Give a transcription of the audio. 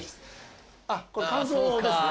あっこれ乾燥ですね。